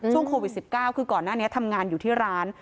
โควิด๑๙คือก่อนหน้านี้ทำงานอยู่ที่ร้าน